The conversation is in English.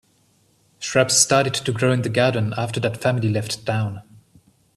Shrubs started to grow in the garden after that family left town.